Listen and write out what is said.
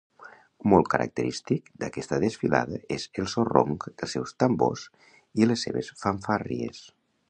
Molt característic d'aquesta desfilada és el so ronc dels seus tambors i les seves fanfàrries.